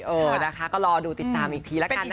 เออนะคะก็รอดูติดตามอีกทีละกันนะคะ